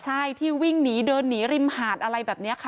ใช่ที่วิ่งหนีเดินหนีริมหาดอะไรแบบนี้ค่ะ